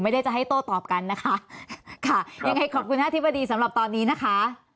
ไม่ได้จะให้โต้ตอบกันยังไงขอบคุณฮะทิพธิบดีสำหรับตอนนี้นะคะ